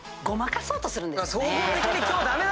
ごまかそうとするんですよね。